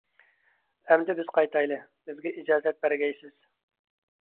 ئەمدى بىز قايتايلى، بىزگە ئىجازەت بەرگەيسىز؟!